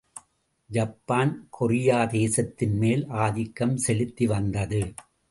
Japan, கொரியாதேசத்தின் மேல் ஆதிக்கம் செலுத்திவந்தது.